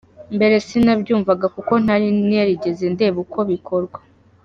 Mbere sinabyumvaga kuko ntari narigeze ndeba uko bikorwa.